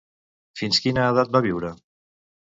Fins quina edat va viure?